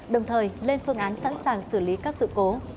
đồng thời lên phương án sẵn sàng xử lý các sự cố